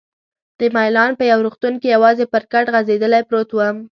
د میلان په یو روغتون کې یوازې پر کټ غځېدلی پروت وم.